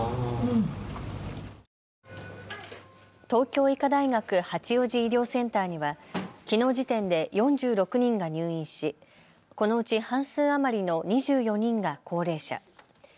東京医科大学八王子医療センターにはきのう時点で４６人が入院しこのうち半数余りの２４人が高齢者。